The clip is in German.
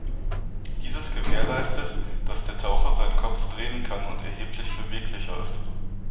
Dieses gewährleistet, dass der Taucher seinen Kopf drehen kann und erheblich beweglicher ist.